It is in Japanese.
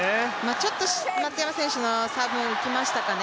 ちょっと松山選手のサーブ、浮きましたかね。